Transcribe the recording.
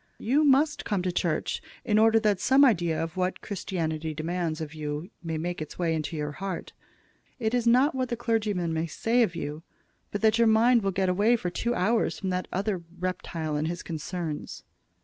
You must come to church, in order that some idea of what Christianity demands of you may make its way into your heart. It is not what the clergyman may say of you, but that your mind will get away for two hours from that other reptile and his concerns."